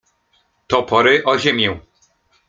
Topory o ziemię!